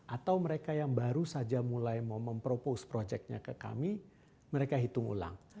atau mereka yang baru saja mulai mem propose proyeknya ke kami mereka hitung ulang